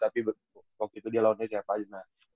tapi waktu itu dia lawannya siapa aja